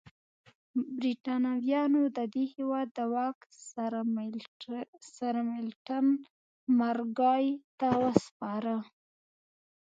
برېټانویانو د دې هېواد واک سرمیلټن مارګای ته وسپاره.